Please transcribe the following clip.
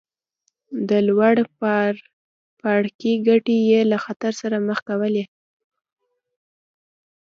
د لوړ پاړکي ګټې یې له خطر سره مخ کولې.